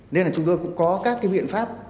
nên là chúng tôi cũng có các viện pháp